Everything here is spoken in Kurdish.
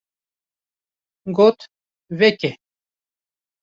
Got: ‘’ Veke.